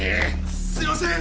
すいません！